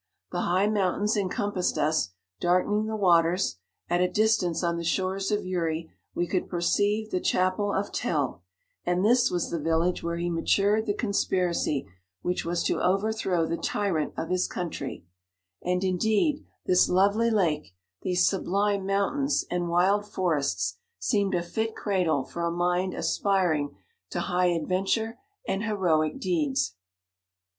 The high mountains en compassed us, darkening the waters ; at a distance on the shores of Uri we could perceive the chapel of Tell, and this was the village where he matured the conspiracy which was to overthrow the tyrant of his country; and indeed 50 this lovely lake, these sublime moun tains, and wild forests, seemed a fit cradle for a mind aspiring to high ad venture and heroic deeds.